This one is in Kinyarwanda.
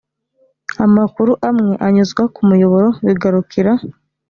amakuru amwe anyuzwa ku muyoboro bigarukira